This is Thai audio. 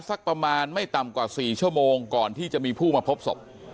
สักประมาณไม่ต่ำกว่า๔ชั่วโมงก่อนที่จะมีผู้มาพบศพ